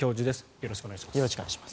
よろしくお願いします。